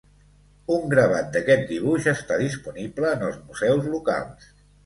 Un gravat d'aquest dibuix està disponible en els museus locals.